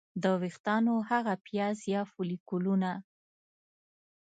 د ویښتانو هغه پیاز یا فولیکولونه